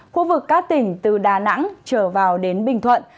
khu vực các tỉnh từ đà nẵng trở vào đến bình thuận